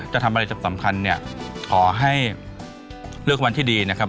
จะทำอะไรสำคัญเนี่ยขอให้เลือกวันที่ดีนะครับ